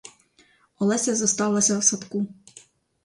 Олеся зосталася в садку.